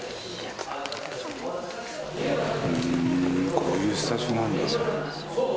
こういうスタジオなんだ。